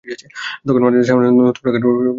তখন মাদ্রিদের সামনে নতুন রেকর্ড গড়ার সুযোগ তৈরি হয়।